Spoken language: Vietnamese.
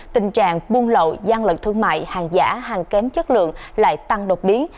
tình trạng buôn lậu gian lận thương mại hàng giả hàng kém chất lượng lại tăng đột biến